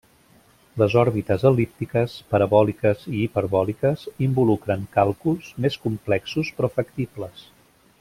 Les òrbites el·líptiques, parabòliques i hiperbòliques involucren càlculs més complexos però factibles.